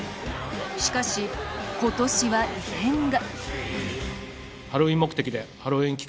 しかし、今年は異変が。